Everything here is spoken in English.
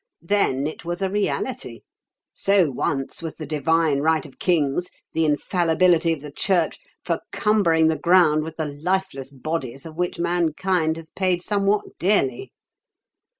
Then it was a reality. So once was the divine right of kings, the infallibility of the Church, for cumbering the ground with the lifeless bodies of which mankind has paid somewhat dearly.